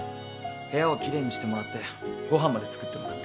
部屋を奇麗にしてもらってご飯まで作ってもらって。